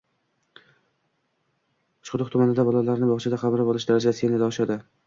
Uchquduq tumanida bolalarni bog‘chaga qamrab olish darajasi yanada oshadi